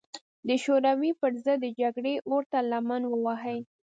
د شوروي پر ضد د جګړې اور ته لمن ووهي.